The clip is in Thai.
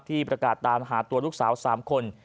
ประกาศตามหาตัวลูกสาว๓คน